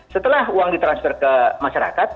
setelah uang ditransfer ke masyarakat